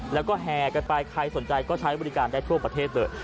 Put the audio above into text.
แล้วก็แห่กันไปใครสนใจก็ใช้บริการได้ทั่วประเทศเลย